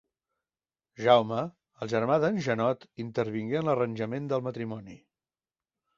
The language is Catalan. Jaume, el germà d'en Janot, intervingué en l'arranjament del matrimoni.